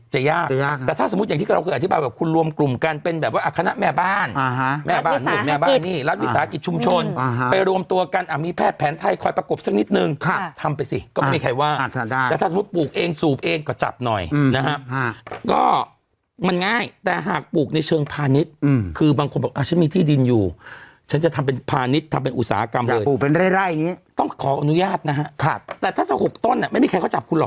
หรือถ้าขออนุญาตปลูกก็จะยาก